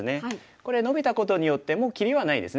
これノビたことによってもう切りはないですね。